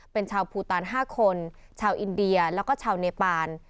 เป็นชาวภูตาน๕คนชาวอินเดียแล้วก็ชาวเนปาน